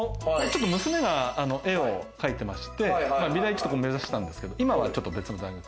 娘が絵を描いてまして美大目指したんですけど今はちょっと別の大学。